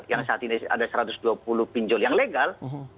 yang saat ini ada satu ratus dua puluh pinjol yang legal